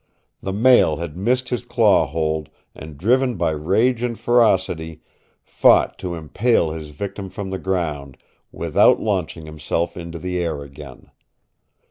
The male had missed his claw hold, and driven by rage and ferocity, fought to impale his victim from the ground, without launching himself into the air again.